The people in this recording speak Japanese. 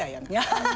ハハハハ。